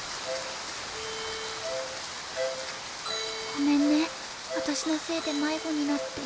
ごめんね私のせいで迷子になって。